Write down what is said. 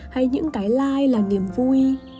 hay những cái like là niềm vui